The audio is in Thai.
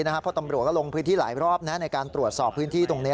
แล้วท่านลงพื้นที่หลายรอบในการตรวจสอบพื้นที่ตรงนี้